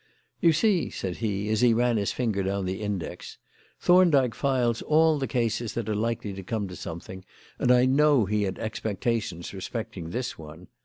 "You see," said he, as he ran his finger down the index, "Thorndyke files all the cases that are likely to come to something, and I know he had expectations respecting this one.